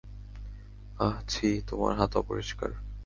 আহ ছি, তোমার হাত অপরিষ্কার।